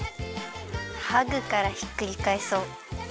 ハグからひっくりかえそう。